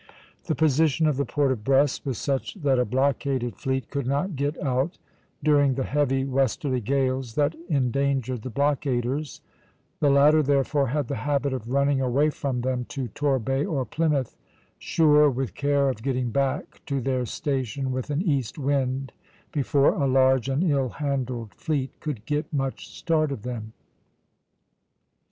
The position of the port of Brest was such that a blockaded fleet could not get out during the heavy westerly gales that endangered the blockaders; the latter, therefore, had the habit of running away from them to Torbay or Plymouth, sure, with care, of getting back to their station with an east wind before a large and ill handled fleet could get much start of them.